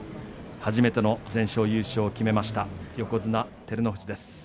初めての全勝優勝を決めました横綱照ノ富士です。